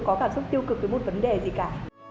có cảm xúc tiêu cực với một vấn đề gì cả